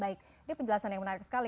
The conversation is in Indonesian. baik ini penjelasan yang menarik sekali